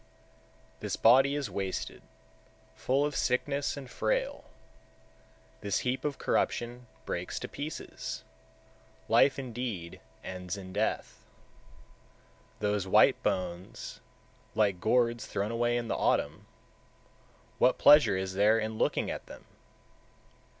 148. This body is wasted, full of sickness, and frail; this heap of corruption breaks to pieces, life indeed ends in death. 149. Those white bones, like gourds thrown away in the autumn, what pleasure is there in looking at them?